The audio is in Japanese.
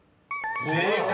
［正解。